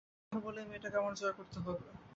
টাকার কথা বলে এ মেয়েটাকে আমার জয় করতে হবে!